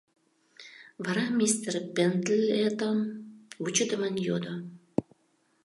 Вара мистер Пендлетон вучыдымын йодо: